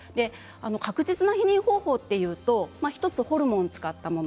確実な避妊方法というと１つホルモンを使ったもの